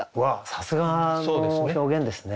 さすがの表現ですね